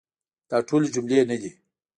دا ټولي جملې نه دي .